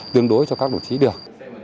tương đối cho các đồng chí được